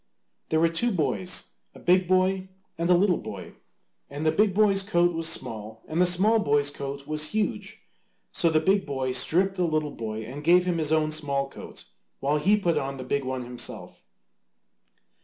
There were two boys, a big boy and a little boy, and the big boy's coat was small and the small boy's coat was huge. So the big boy stripped the little boy and gave him his own small coat, while he put on the big one himself.